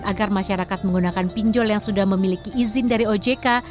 agar masyarakat menggunakan pinjol yang sudah memiliki izin dari ojk